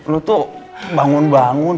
lo tuh bangun bangun